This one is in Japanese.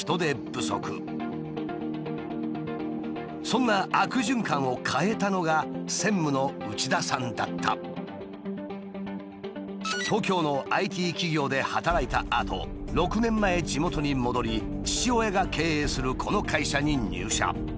そんな悪循環を変えたのが東京のＩＴ企業で働いたあと６年前地元に戻り父親が経営するこの会社に入社。